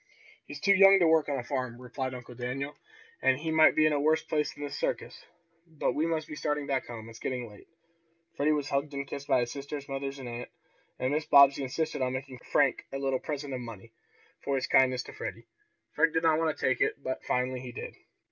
"He's too young to work on a farm," replied Uncle Daniel. "And he might be in a worse place than this circus. But we must be starting back home. It's getting late." Freddie was hugged and kissed by his sisters, mother and aunt, and Mrs. Bobbsey insisted on making Frank a little present of money, for his kindness to Freddie. Frank did not want to take it, but finally he did.